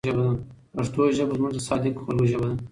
پښتو ژبه زموږ د صادقو خلکو ژبه ده.